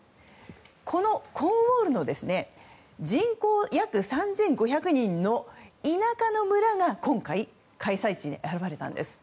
このコーンウォールの人口約３５００人の田舎の村が今回開催地に選ばれたんです。